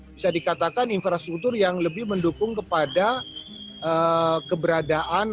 bisa dikatakan infrastruktur yang lebih mendukung kepada keberadaan